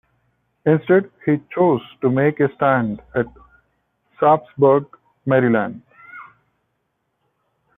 Instead, he chose to make a stand at Sharpsburg, Maryland.